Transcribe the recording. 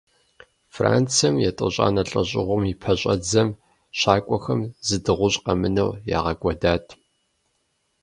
Францием, етӀощӀанэ лӀэжьыгъуэм и пэщӀэдзэм, щакӏуэхэм зы дыгъужь къэмынэу, ягъэкӀуэдат.